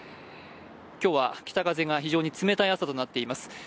今日は北風が非常に冷たい朝となっています。